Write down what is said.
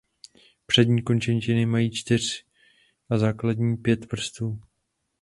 Přední končetiny mají čtyři a zadní pět prstů.